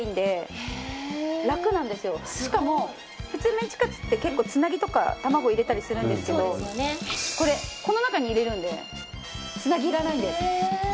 これしかも普通メンチカツって結構つなぎとか卵入れたりするんですけどこれこの中に入れるんでつなぎいらないんです。